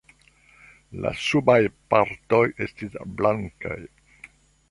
La subaj partoj estis blankaj.